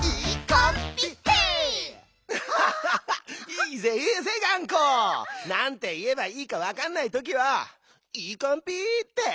いいぜいいぜがんこ！なんていえばいいかわかんないときは「イイカンピー」って。